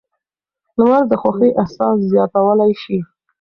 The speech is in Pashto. لمر د خوښۍ احساس زیاتولی شي.